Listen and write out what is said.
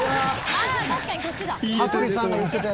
「ああ確かにこっちだ」